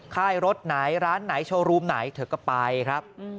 ค่ายรถไหนร้านไหนโชว์รูมไหนเธอก็ไปครับ